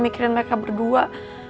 pikiran mereka berdua